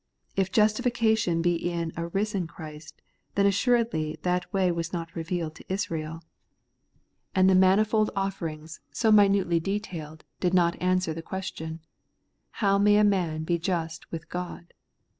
If justification be in a risen Christ, then assuredly that way was not revealed to Israel ; and the mani Not Faith, hit Christ. 121 fold oflferings, so minutely detailed, did not answer the question, How may man be just with God